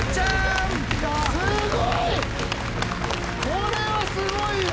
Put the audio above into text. これはすごいよ！